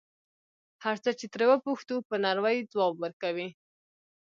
هر څه چې ترې وپوښتو په نرمۍ ځواب ورکوي.